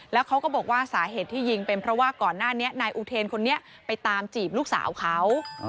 แล้วเขาก็บอกว่าสาเหตุที่ยิงเป็นเพราะว่าก่อนหน้านี้นายอุเทนคนนี้ไปตามจีบลูกสาวเขา